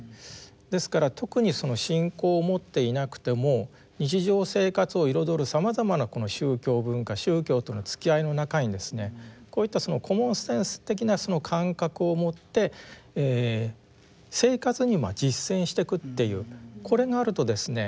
ですから特に信仰を持っていなくても日常生活を彩るさまざまな宗教文化宗教とのつきあいの中にですねこういったコモンセンス的な感覚を持って生活に実践していくっていうこれがあるとですね